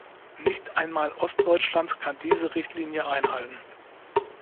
Nicht einmal Ostdeutschland kann diese Richtlinie einhalten.